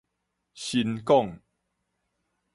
神廣